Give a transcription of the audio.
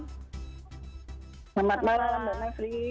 selamat malam mbak nefri